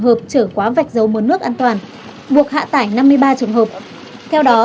hợp chở quá vạch dầu muôn nước an toàn buộc hạ tải năm mươi ba trường hợp theo đó